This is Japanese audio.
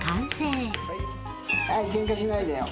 ケンカしないでよ。